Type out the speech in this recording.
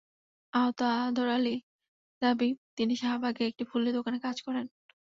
আহত আদর আলীর দাবি, তিনি শাহবাগে একটি ফুলের দোকানে কাজ করেন।